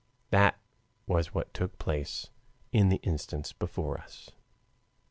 That was what took place in the instance before us.